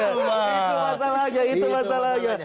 itu masalahnya itu masalahnya